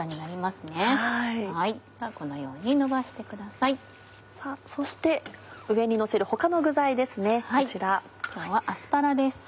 さぁそして上にのせる他の具材ですね。